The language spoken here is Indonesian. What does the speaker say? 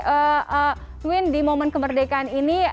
eewin di momen kemerdekaan ini